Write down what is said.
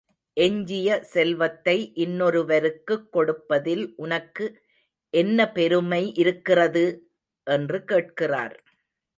எஞ்சிய செல்வத்தை இன்னொரு வருக்குக் கொடுப்பதில் உனக்கு என்ன பெருமை இருக்கிறது? என்று கேட்கிறார்.